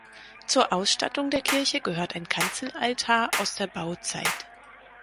Zur Ausstattung der Kirche gehört ein Kanzelaltar aus der Bauzeit.